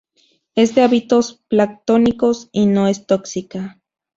Es de hábitos planctónicos y no es tóxica.